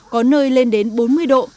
có nơi lên đến bốn mươi độ